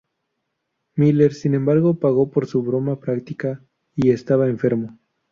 Miller, sin embargo, pagó por su broma práctica y estaba enfermo.